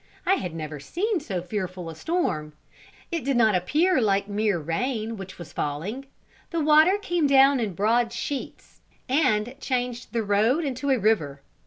I had never seen so fearful a storm. It did not appear like mere rain which was falling; the water came down in broad sheets, and changed the road into a river.